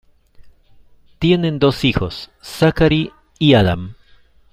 Tienen dos hijos, Zachary y Adam.